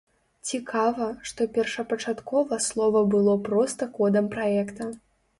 Цікава, што першапачаткова слова было проста кодам праекта.